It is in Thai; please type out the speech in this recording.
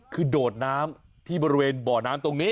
คือโดดน้ำที่บริเวณบ่อน้ำตรงนี้